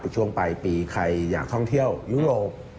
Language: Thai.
ช่วงปลายปีใครอยากท่องเที่ยวยุโรป